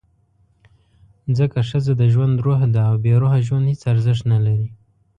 ځکه ښځه د ژوند «روح» ده، او بېروحه ژوند هېڅ ارزښت نه لري.